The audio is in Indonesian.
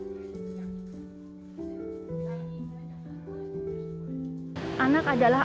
dan penerang kehidupan keluarga